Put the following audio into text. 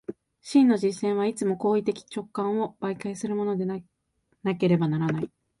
真の実践はいつも行為的直観を媒介するものでなければならない。